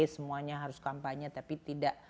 semuanya harus kampanye tapi tidak